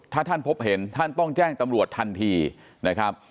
ถ้าท่านพบเห็นท่านต้องแจ้งตำรวจทันทีนะครับ